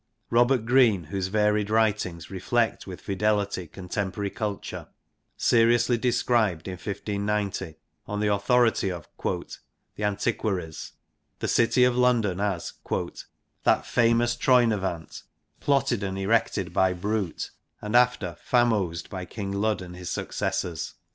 Robert Greene, whose varied writings reflect with fidelity contemporary culture, seriously described in 1590 on the authority of * the antiquaries ' the city of London as 'that famous Troynovant, plotted and erected by Brute, and after famozed by King Lud and his successors.'